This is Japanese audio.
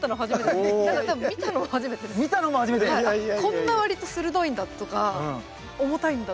こんなわりと鋭いんだとか重たいんだとか。